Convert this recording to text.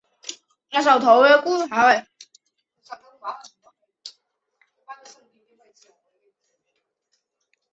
晶粒是指微小的或微米尺度的晶体。